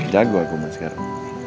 jago aku ma sekarang